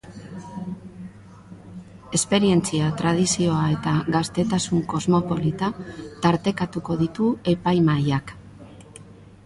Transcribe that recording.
Esperientzia, tradizioa eta gaztetasun kosmopolita tartekatuko ditu epaimahaiak.